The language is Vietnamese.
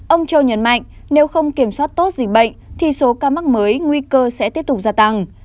ông châu nhấn mạnh nếu không kiểm soát tốt dịch bệnh thì số ca mắc mới nguy cơ sẽ tiếp tục gia tăng